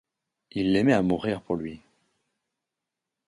Il l’aimait à mourir pour lui